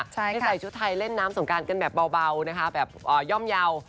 ใช่ใส่ชุดไทยเล่นน้ำสงการกันแบบเบาย่อมเยาว์